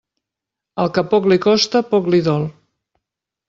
Al que poc li costa, poc li dol.